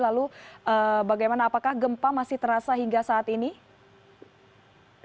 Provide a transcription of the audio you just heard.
lalu bagaimana apakah gempa masih terasa hingga saat ini